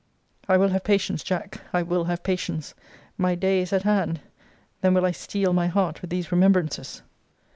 I will have patience, Jack; I will have patience! My day is at hand. Then will I steel my heart with these remembrances.